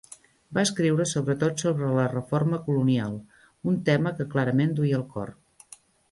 Va escriure sobretot sobre la reforma colonial, un tema que clarament duia al cor.